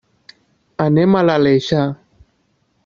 Anem a l'Aleixar.